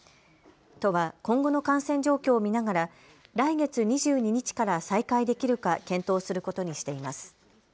都は今後の感染状況を見ながら来月２２日から再開できるか検討することにしています。